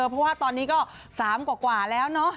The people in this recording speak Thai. เพราะว่าตอนนี้ก็๓กว่าแล้วเนอะ